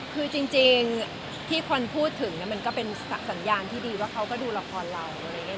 คือจริงที่ควรพูดถึงก็เป็นสัญญาณที่ดีว่าเขาก็ดูละครเรา